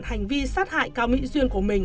hành vi sát hại cao mỹ duyên của mình